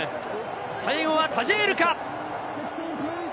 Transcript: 最後はタジェールか。